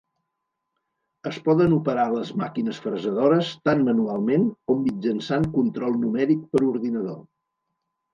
Es poden operar les màquines fresadores tant manualment com mitjançant control numèric per ordinador.